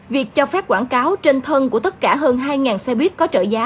việc cho phép quảng cáo trên thân của tất cả hơn hai xe buýt có trợ giá